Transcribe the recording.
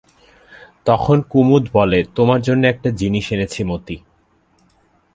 তখন কুমুদ বলে, তোমার জন্যে একটা জিনিস এনেছি মতি।